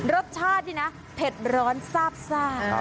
รสชาตินี่นะเผ็ดร้อนซาบ